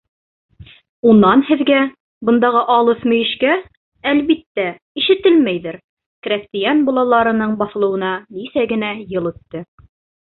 Унан һеҙгә, бындағы алыҫ мөйөшкә, әлбиттә, ишетелмәйҙер, крәҫтиән болаларының баҫылыуына нисә генә йыл үтте.